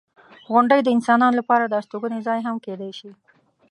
• غونډۍ د انسانانو لپاره د استوګنې ځای هم کیدای شي.